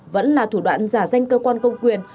vẫn là thủ đoạn giả danh cơ quan công quyền